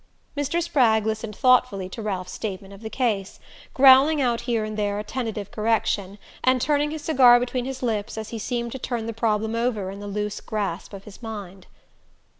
Mr. Spragg listened thoughtfully to Ralph's statement of the case, growling out here and there a tentative correction, and turning his cigar between his lips as he seemed to turn the problem over in the loose grasp of his mind.